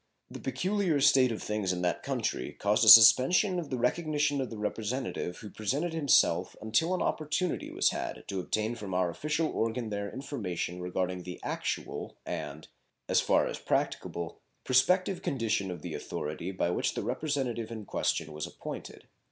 The peculiar state of things in that country caused a suspension of the recognition of the representative who presented himself until an opportunity was had to obtain from our official organ there information regarding the actual and, as far as practicable, prospective condition of the authority by which the representative in question was appointed.